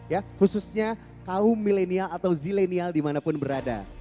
ya khususnya kaum milenial atau zilenial dimanapun berada